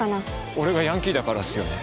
俺がヤンキーだからっすよね？